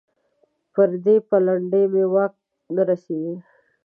پر دې پلنډه مې واک نه رسېږي.